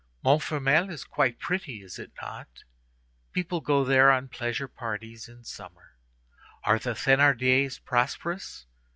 "Montfermeil is quite pretty, is it not? People go there on pleasure parties in summer. Are the Thénardiers prosperous?